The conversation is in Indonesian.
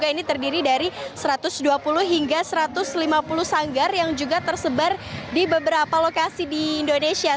ini terdiri dari satu ratus dua puluh hingga satu ratus lima puluh sanggar yang juga tersebar di beberapa lokasi di indonesia